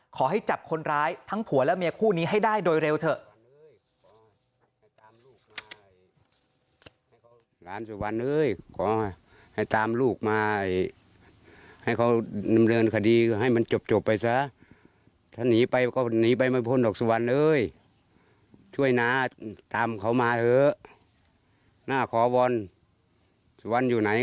ขอให้จับคนร้ายทั้งผัวและเมียคู่นี้ให้ได้โดยเร็วเถอะ